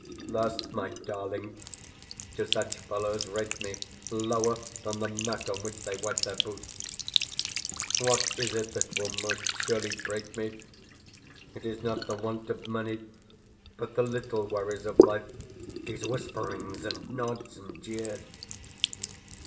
Thus, my darling, do such fellows rate me lower than the mat on which they wipe their boots! What is it that will most surely break me? It is not the want of money, but the LITTLE worries of life these whisperings and nods and jeers.